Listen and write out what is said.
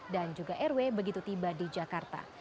dan juga rw begitu tiba di jakarta